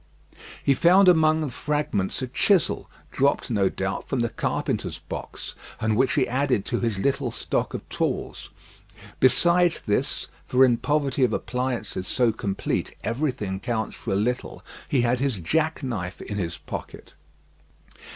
He found among the fragments a chisel, dropped, no doubt, from the carpenter's box, and which he added to his little stock of tools. Besides this for in poverty of appliances so complete everything counts for a little he had his jack knife in his pocket.